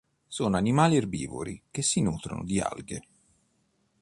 Sono animali erbivori che si nutrono di alghe.